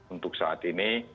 untuk saat ini